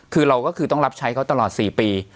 คือเราก็คือต้องรับใช้เขาตลอด๔ปี